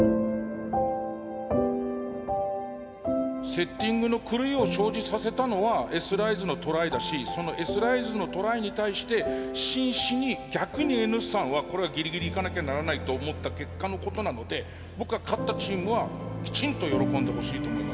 セッティングの狂いを生じさせたのはＳライズのトライだしそのＳライズのトライに対して真摯に逆にＮ産はこれはギリギリいかなきゃならないと思った結果のことなので僕は勝ったチームはきちんと喜んでほしいと思いますね。